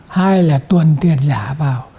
hai là tuần tiền giả vào